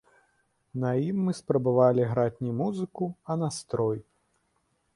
На ім мы спрабавалі граць не музыку, а настрой.